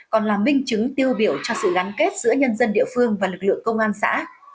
còn là minh chứng tiêu biểu cho sự gắn kết giữa nhân dân địa phương và lực lượng công an xã